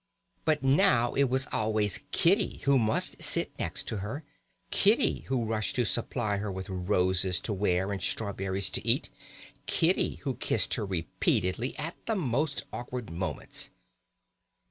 But now it was always Kitty who must sit next to her, Kitty who rushed to supply her with roses to wear and strawberries to eat, Kitty who kissed her repeatedly at the most awkward moments.